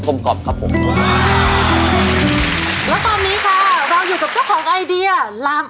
กรอบครับผมแล้วตอนนี้ค่ะเราอยู่กับเจ้าของไอเดียลาม